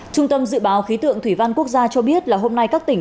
trung tâm dự báo khí tượng thủy văn quốc gia cho biết là hôm nay các tỉnh